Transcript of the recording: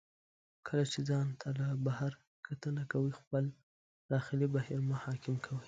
کله چې ځان ته له بهر کتنه کوئ، خپل داخلي بهیر مه حاکم کوئ.